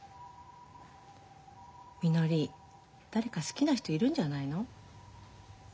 みのり誰か好きな人いるんじゃないの？